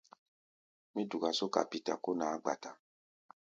Mí duka só kapíta kó naá-gba-ta.